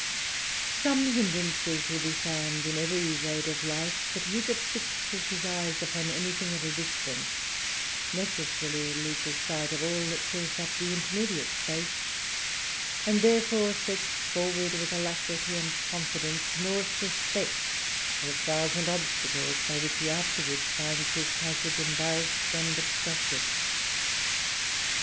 Some hin drances will be found in every road of life, but he that fixes his eyes upon any thing at a distance, necessarily loses sight of all that fills up the intermediate space, and therefore sets forward with alacrity and confidence, nor suspects a thousand obstacles by which he afterwards finds his passage embarrassed and obstructed.